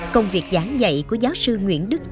công việc giảng dạy của giáo sư nguyễn đức trung